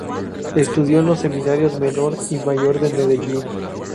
Estudió en los seminarios menor y mayor de Medellín.